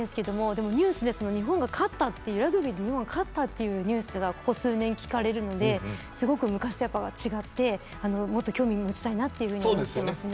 でもニュースでラグビーで日本が勝ったというニュースがここ数年聞かれるので昔とは違って、もっと興味を持ちたいなと思ってますね。